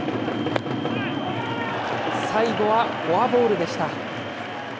最後はフォアボールでした。